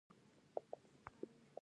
ادرسکن لاره ولې اوږده ده؟